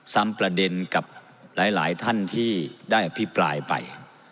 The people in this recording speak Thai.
ประเด็นกับหลายท่านที่ได้อภิปรายไป